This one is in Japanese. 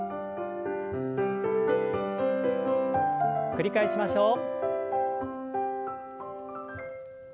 繰り返しましょう。